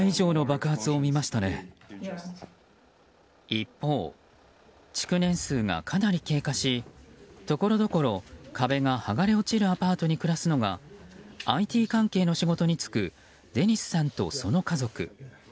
一方、築年数がかなり経過しところどころ壁が剥がれ落ちるアパートに暮らすのがＩＴ関係の仕事に就くデニスさんと、その家族。